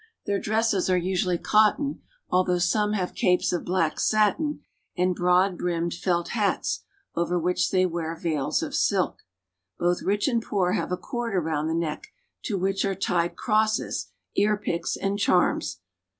Their dresses are usually cotton, although some have capes of black satin and broad brimmed felt hats over which they wear veils of silk. Both rich and poor have a cord around the neck, to which are tied crosses,* ear picks, and charms.